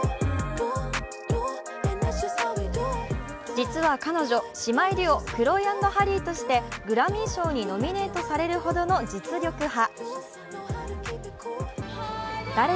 実は彼女、姉妹デュオ、クロイ＆ハリーとしてグラミー賞にノミネートされるほどの実力派。